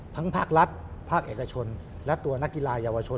ภาครัฐภาคเอกชนและตัวนักกีฬาเยาวชน